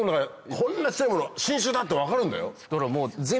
こんな小っちゃいものを新種だって分かるんだよ？